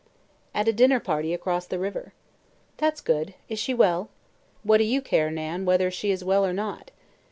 "At a dinner party across the river." "That's good. Is she well?" "What do you care, Nan, whether she is well or not?"